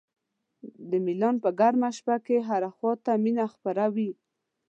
د میلان په ګرمه شپه کې هره خوا ته مینه خپره وي.